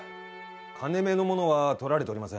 金目の物はとられておりません。